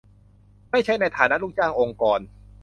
ไม่ใช่ในฐานะลูกจ้างองค์กร